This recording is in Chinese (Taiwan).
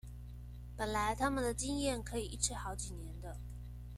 本來他們的經驗可以一吃好幾年的